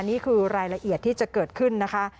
นี่คือรายละเอียดที่จะเกิดขึ้นนะคะ